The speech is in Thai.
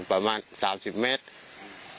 บ้านญาติอีกคันหนึ่งประมาณสามสิบเมตร